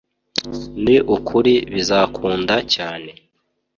ni ukuri bizakunda! cyane